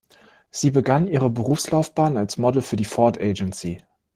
Sie begann ihre Berufslaufbahn als Model für die Ford Agency.